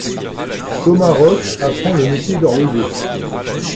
Thomas Ruch apprend le métier d'horloger.